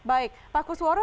baik pak kusworo